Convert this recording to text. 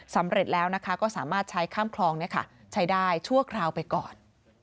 แล้วนะคะก็สามารถใช้ข้ามคลองใช้ได้ชั่วคราวไปก่อน